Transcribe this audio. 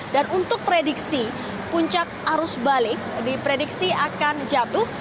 dan untuk prediksi puncak arus balik diprediksi akan jatuh